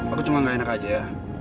aku cuma nggak enak aja ya